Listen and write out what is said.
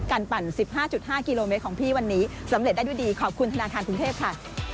ปั่น๑๕๕กิโลเมตรของพี่วันนี้สำเร็จได้ด้วยดีขอบคุณธนาคารกรุงเทพค่ะ